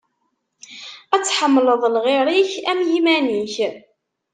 Ad tḥemmleḍ lɣir-ik am yiman-ik.